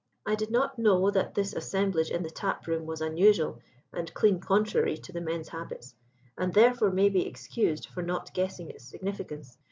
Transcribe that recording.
"I did not know that this assemblage in the tap room was unusual and clean contrary to the men's habits, and therefore may be excused for not guessing its significance.